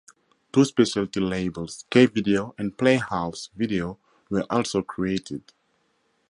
Two specialty labels, Key Video, and Playhouse Video, were also created.